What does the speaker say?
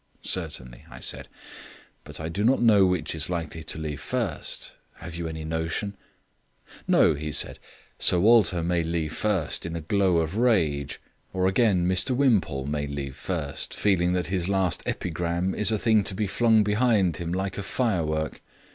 "Certainly," I said. "But I do not know which is likely to leave first. Have you any notion?" "No," he said. "Sir Walter may leave first in a glow of rage. Or again, Mr Wimpole may leave first, feeling that his last epigram is a thing to be flung behind him like a firework.